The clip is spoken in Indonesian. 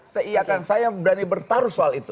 seiyakan saya berani bertaruh soal itu